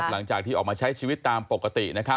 หลังจากที่ออกมาใช้ชีวิตตามปกติ